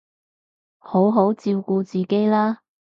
好好照顧自己啦